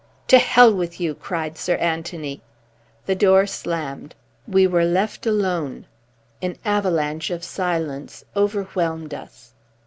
"To Hell with you," cried Sir Anthony. The door slammed. We were left alone. An avalanche of silence overwhelmed us.